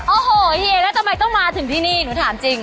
โอ้โหเฮียแล้วทำไมต้องมาถึงที่นี่หนูถามจริง